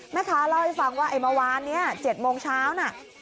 แม่ค้าเล่าให้ฟังว่าไอ้เมื่อวานนี้๗โมงเช้าน่ะ